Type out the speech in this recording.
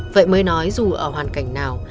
vậy mới nói dù ở hoàn cảnh nào